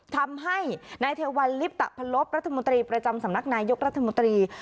ทำให้นายเทวัลลิปตะพันลบรัฐมนตรีประจำสำนักนายกรัฐมนตรี